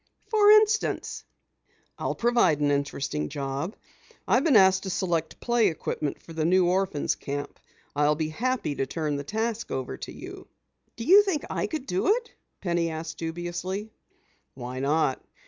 "For instance?" "I'll provide an interesting job. I've been asked to select play equipment for the new orphans' camp. I'll be happy to turn the task over to you." "Do you think I could do it?" Penny asked dubiously. "Why not?